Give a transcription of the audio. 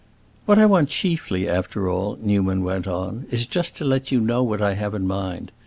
"What I want chiefly, after all," Newman went on, "is just to let you know what I have in mind.